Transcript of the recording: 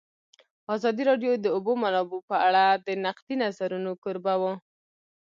ازادي راډیو د د اوبو منابع په اړه د نقدي نظرونو کوربه وه.